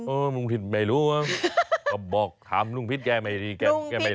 เออลุงพิษไม่รู้อ่ะก็บอกถามลุงพิษแกไม่แรง